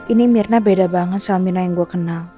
ini mirna beda banget sama mirna yang gue kenal